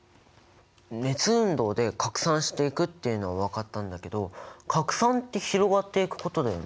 熱運動で拡散していくっていうのは分かったんだけど拡散って広がっていくことだよね？